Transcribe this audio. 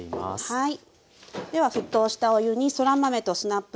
はい。